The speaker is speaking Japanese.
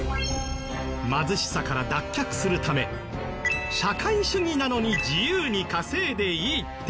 貧しさから脱却するため社会主義なのに自由に稼いでいいってルールに。